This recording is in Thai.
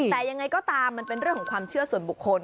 แต่ยังไงก็ตามมันเป็นเรื่องของความเชื่อส่วนบุคคล